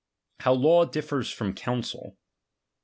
How law differs from counsel.